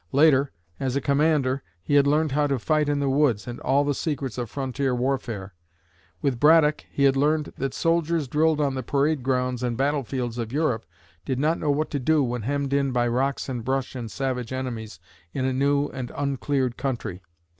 Later, as a commander, he had learned how to fight in the woods, and all the secrets of frontier warfare. With Braddock, he had learned that soldiers drilled on the parade grounds and battle fields of Europe did not know what to do when hemmed in by rocks and brush and savage enemies in a new and uncleared country.